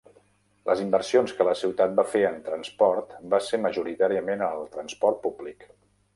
Les inversions que la ciutat va fer en transport van ser majoritàriament en el transport públic.